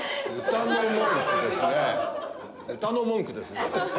歌の文句ですねそれ。